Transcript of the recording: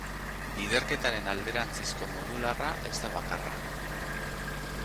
Biderketaren alderantzizko modularra ez da bakarra.